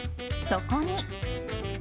そこに。